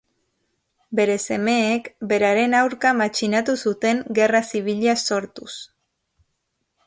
Bere semeek beraren aurka matxinatu zuten gerra zibila sortuz.